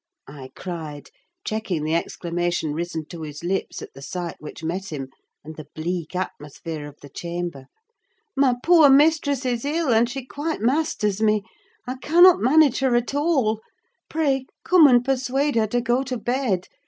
I cried, checking the exclamation risen to his lips at the sight which met him, and the bleak atmosphere of the chamber. "My poor mistress is ill, and she quite masters me: I cannot manage her at all; pray, come and persuade her to go to bed.